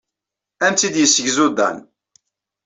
Ad am-tt-id-yessegzu Dan.